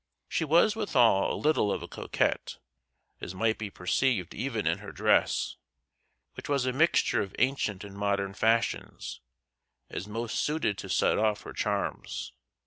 She was withal a little of a coquette, as might be perceived even in her dress, which was a mixture of ancient and modern fashions, as most suited to set off her charms.